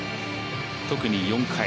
特に４回。